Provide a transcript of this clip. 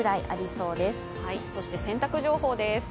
そして洗濯情報です。